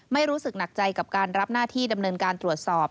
ไม่รู้สึกหนักใจกับการรับหน้าที่ดำเนินการตรวจสอบ